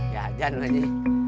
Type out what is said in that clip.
jajan pak ji